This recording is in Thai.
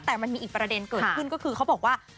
แต่มันมีอีกประเด็นเกิดขึ้นก็คือเขาบอกว่า